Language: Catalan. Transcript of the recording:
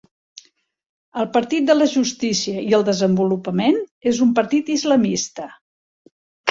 El Partit de la Justícia i el Desenvolupament és un partit islamista.